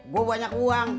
gue banyak uang